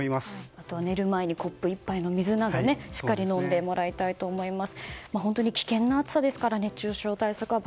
あとは寝る前にコップ１杯の水などしっかり飲んでもらいたいと思います。